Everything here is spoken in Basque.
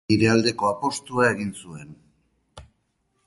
Nire aldeko apustua egin zuen.